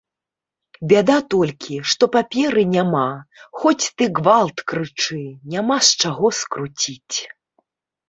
Бяда толькі, што паперы няма, хоць ты гвалт крычы, няма з чаго скруціць.